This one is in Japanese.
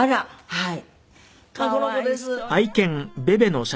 はい。